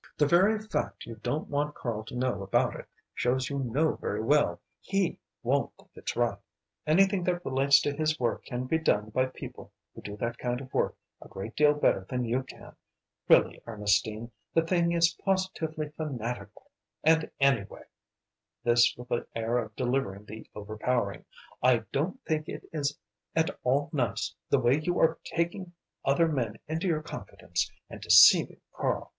The very fact you don't want Karl to know about it shows you know very well he won't think it's right. Anything that relates to his work can be done by people who do that kind of work a great deal better than you can. Really, Ernestine, the thing is positively fanatical. And anyway," this with the air of delivering the overpowering "I don't think it is at all nice the way you are taking other men into your confidence and deceiving Karl."